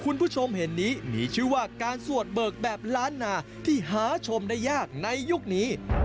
คุณผู้ชมเห็นนี้มีชื่อว่าการสวดเบิกแบบล้านนาที่หาชมได้ยากในยุคนี้